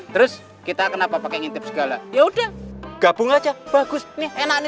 terus kita kenapa pakai ngintip segala yaudah gabung aja bagus nih enak ini